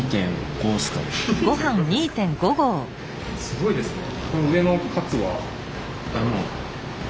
すごいですね。